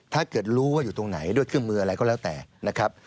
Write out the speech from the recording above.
ถ้าเกิดว่ารู้ว่าอยู่ตรงไหนด้วยเครื่องมืออะไรก็แล้วแต่นะครับ